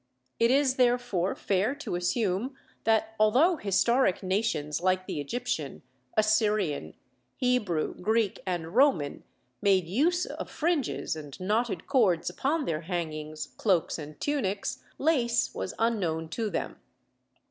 It is therefore fair to assume that although historic nations like the Egyptian, Assyrian, Hebrew, Greek, and Roman, made use of fringes and knotted cords upon their hangings, cloaks, and tunics, lace was unknown to them.